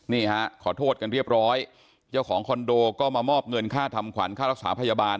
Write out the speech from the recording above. นี่ฮะขอโทษกันเรียบร้อยเจ้าของคอนโดก็มามอบเงินค่าทำขวัญค่ารักษาพยาบาล